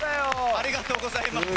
ありがとうございます。